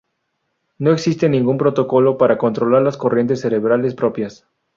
No existe ningún protocolo para controlar las corrientes cerebrales propias.